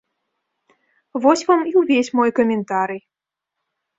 Вось вам і ўвесь мой каментарый.